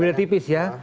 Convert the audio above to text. beda tipis ya